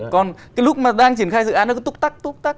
còn cái lúc mà đang triển khai dự án nó cứ túc tắc túc tắc